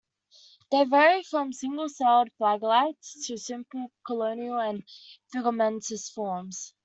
They vary from single-celled flagellates to simple colonial and filamentous forms.